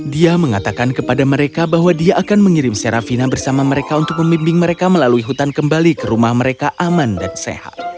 dia mengatakan kepada mereka bahwa dia akan mengirim serafina bersama mereka untuk membimbing mereka melalui hutan kembali ke rumah mereka aman dan sehat